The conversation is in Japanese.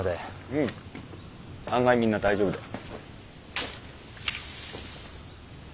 うん案外みんな大丈夫だよ。